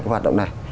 cái hoạt động này